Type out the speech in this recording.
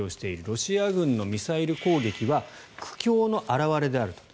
ロシア軍のミサイル攻撃は苦境の表れであると。